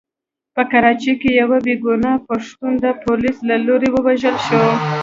په کراچۍ کې يو بې ګناه پښتون د پوليسو له لوري ووژل شو.